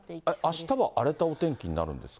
あしたもあれたお天気になるんですか？